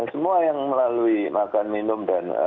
semua yang melalui makan minum dan